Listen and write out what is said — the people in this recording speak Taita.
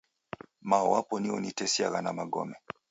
Mao wapo nio unitesiagha na magome